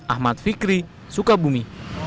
ahmad fikri sukabumi